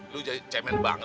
lu jadi cemen banget